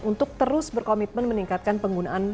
untuk terus berkomitmen meningkatkan penggunaan